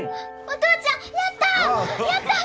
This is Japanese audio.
お父ちゃんやった！